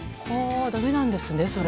だめなんですね、それ。